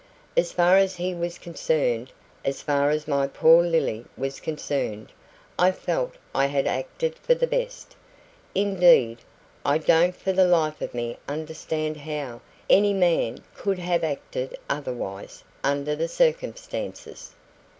As far as he was concerned as far as my poor Lily was concerned, I felt I had acted for the best. Indeed, I don't for the life of me understand how any man could have acted otherwise, under the circumstances."